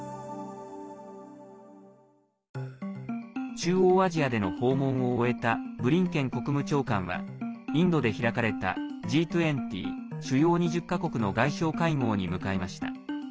中央アジアでの訪問を終えたブリンケン国務長官はインドで開かれたＧ２０＝主要２０か国の外相会合に向かいました。